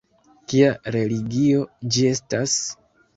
Kia religio ĝi estas?